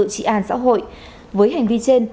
trị an xã hội với hành vi trên